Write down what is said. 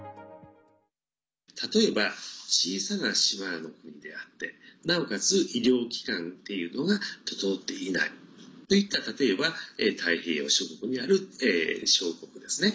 例えば、小さな島の国であってなおかつ医療機関っていうのが整っていないといった例えば、太平洋諸国にある小国ですね。